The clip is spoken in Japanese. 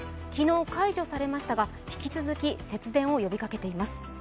昨日、解除されましたが引き続き節電を呼びかけています。